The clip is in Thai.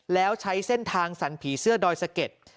แล้วใช้เส้นทางสรรผีเสื้อดอยสะเก็ด